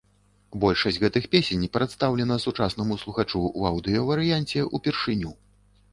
Большасць гэтых песень прадстаўлена сучаснаму слухачу ў аўдыёварыянце ўпершыню.